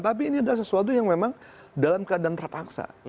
tapi ini adalah sesuatu yang memang dalam keadaan terpaksa